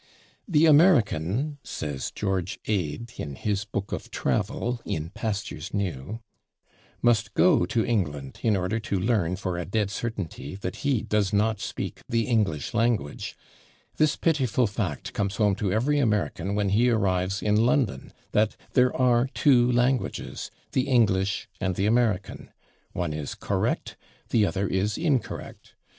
"The American," says George Ade, in his book of travel, "In Pastures New," "must go to England in order to learn for a dead certainty that he does not speak the English language.... This pitiful fact comes home to every American when he arrives in London that there are two languages, the English and the American. One is correct; the other is incorrect.